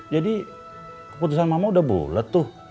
jadi keputusan mama udah bulet tuh